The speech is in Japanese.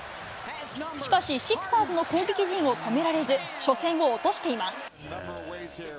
しかし、シクサーズの攻撃陣を止められず、初戦を落としています。